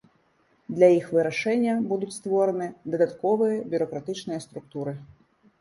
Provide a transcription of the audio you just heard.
Для іх вырашэння будуць створаны дадатковыя бюракратычныя структуры.